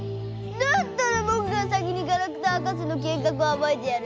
だったらぼくが先にガラクタ博士の計画をあばいてやる。